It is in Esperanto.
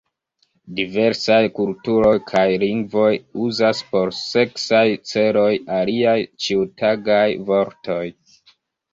Diversaj kulturoj kaj lingvoj uzas por seksaj celoj aliaj ĉiutagaj vortoj.